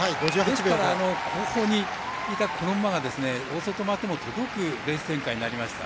ですから、後方にいたこの馬が大外に回っても届くレース展開になりました。